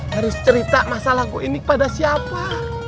harus cerita masalah gue ini pada siapa